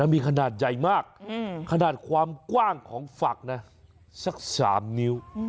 มีขนาดใหญ่มากขนาดความกว้างของฝักนะสัก๓นิ้ว